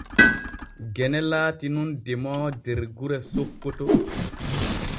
Gene laati nun demoowo der gure Sokkoto.